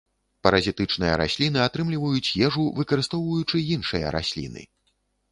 Паразітычныя расліны атрымліваюць ежу, выкарыстоўваючы іншыя расліны.